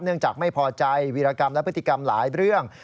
จากไม่พอใจวีรกรรมและพฤติกรรมหลายเรื่อง